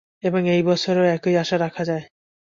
এবং এই বছরও একই আশা রাখা যায়।